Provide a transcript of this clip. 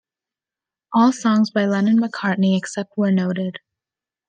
All songs by Lennon-McCartney, except where noted.